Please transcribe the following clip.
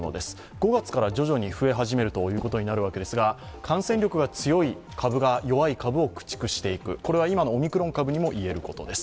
５月から徐々に増え始めるわけですが、感染力が強い株が弱い株を駆逐していく、これは今のオミクロン株にも言えることです。